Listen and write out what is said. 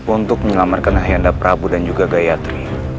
untuk menyelamatkan hayanda prabu dan juga gayatri